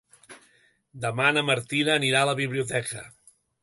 Demà na Martina anirà a la biblioteca.